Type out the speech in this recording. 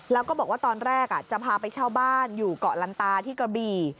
แล้วก็บอกว่าตอนแรกจะพาไปเช่าบ้านอยู่เกาะลันตาที่กระบี่